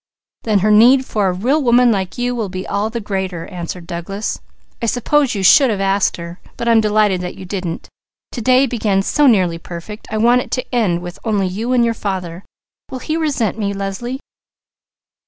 "Then her need for a real woman like you will be all the greater," answered Douglas. "I suppose you should have asked her; but I'm delighted that you didn't! To day began so nearly perfect, I want to end it with only you and your father. Will he resent me, Leslie?"